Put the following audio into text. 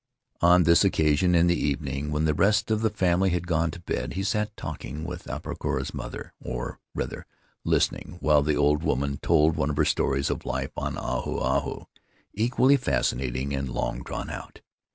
On this occasion, in the evening, when the rest of the family had gone to bed, he sat talking with Apa kura's mother — or, rather, listening while the old woman told one of her stories of life on Ahu Ahu, equally fascinating and long drawn out.